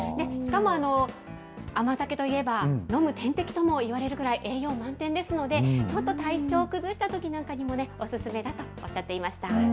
しかも甘酒といえば、飲む点滴ともいわれるぐらい栄養満点ですので、ちょっと体調を崩したときなんかにもね、お勧めだとおっしゃっていました。